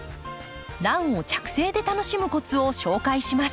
ランを着生で楽しむコツを紹介します。